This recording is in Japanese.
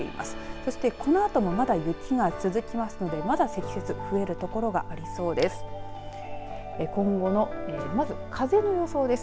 そしてこのあともまだ雪が続きますのでまだ積雪増える所がありそうです。